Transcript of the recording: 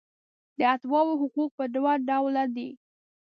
د اتباعو حقوق په دوه ډوله دي.